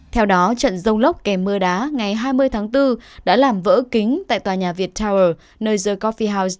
theo đó trận rông lốc kèm mưa đá ngày hai mươi tháng bốn đã làm vỡ kính tại tòa nhà viettel nơi the coffi house